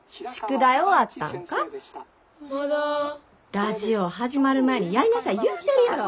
ラジオ始まる前にやりなさい言うてるやろ！